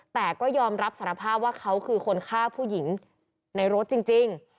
แต่ก็ยอมรับสารภาพว่าเขาคือคนฆ่าผู้หญิงในรถจริง